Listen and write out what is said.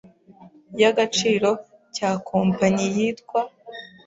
y’agaciro cya Kompanyi yitwa